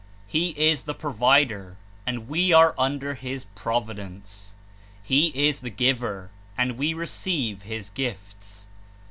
He is the Provider, and we are under his Providence. He is the Giver, and we receive His Gifts.